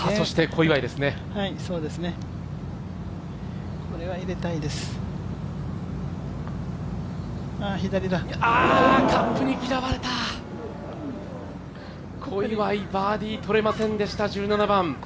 小祝バーディーとれませんでした、１７番。